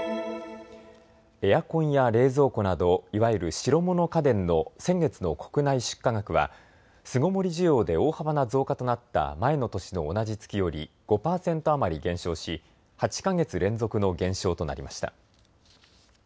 エアコンや冷蔵庫などいわゆる白物家電の先月の国内出荷額は巣ごもり需要で大幅な増加となった前の年の同じ月より５％余り減少し８か月連続の減少となりました。